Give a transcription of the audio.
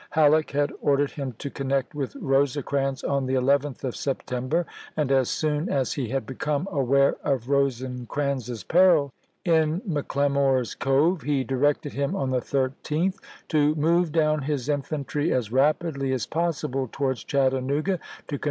Halleck had ordered him to connect with Rosecrans on the 11th of 1863. September, and as soon as he had become aware of Rosecrans's peril in McLemore's Cove, he directed him on the 13th to "move down his infantry as voi^xxx., rapidly as possible towards Chattanooga to con ^^.